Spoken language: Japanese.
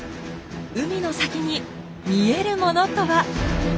海の先に見えるものとは。